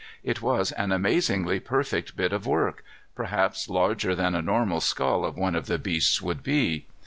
It was an amazingly perfect bit of work, perhaps larger than a normal skull of one of the beasts would be.